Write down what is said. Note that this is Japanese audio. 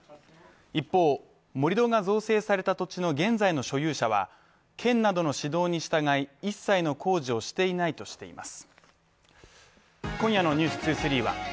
一方、盛り土が造成された土地の現在の所有者は県などの指導に従い、一切の工事をしていないとしています。